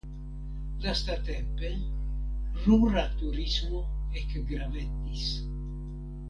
Lastatempe rura turismo ekgravetis.